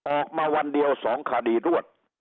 ออกมาวันเดียว๒คดีรวด